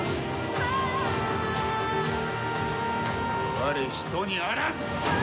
我人にあらず！